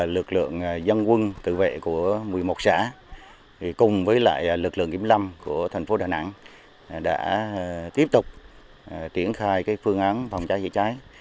lực lượng kiểm lâm của thành phố đà nẵng đã tiếp tục triển khai phương án phòng cháy dịch cháy